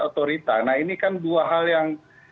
otorita nah ini kan dua hal yang